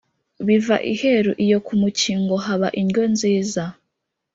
biva iheru iyo ku mukingohaba indyo nziza !»